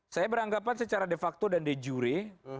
saya beranggapan secara de facto dan de jure